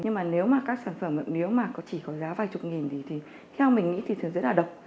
nhưng mà nếu mà các sản phẩm nếu mà chỉ có giá vài chục nghìn thì theo mình nghĩ thị trường rất là độc